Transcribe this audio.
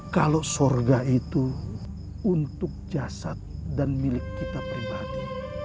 kalau surga itu untuk jasad dan milik kita pribadi